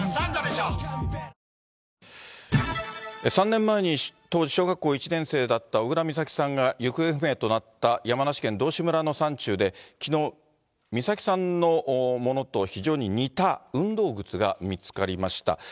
３年前に当時小学校１年生だった小倉美咲さんが行方不明となった、山梨県道志村の山中で、きのう、美咲さんのものと非常に似た運動靴が見つかりました。